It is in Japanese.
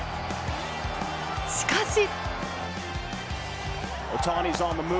しかし。